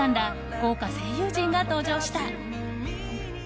豪華声優陣が登場した。